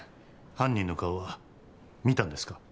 犯人の顔は見たんですか？